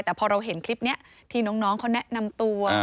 แต่พอเราเห็นคลิปนี้ที่น้องเขาแนะนำตัว